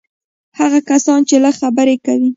هغه کسان چې لږ خبرې کوي.